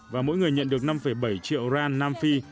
và mỗi người nhận được năm bảy triệu ra nam phi